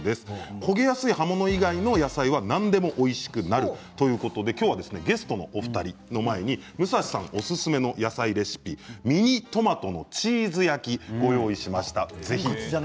焦げやすい葉物以外の野菜は何でもおいしくなるということで今日はゲストのお二人の前に武蔵さん、おすすめの野菜レシピミニトマトのチーズ焼きをご用意しました。